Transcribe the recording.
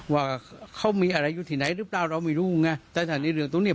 ว่าเขามีอะไรอยู่ที่ไหนหรือเปล่าเราไม่รู้ไงแต่ถ้าในเรื่องตรงเนี้ย